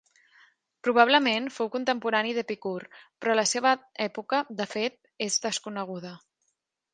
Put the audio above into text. Probablement, fou contemporani d'Epicur, però la seva època, de fet, és desconeguda.